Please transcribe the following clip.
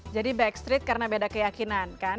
jadi backstreet karena beda keyakinan kan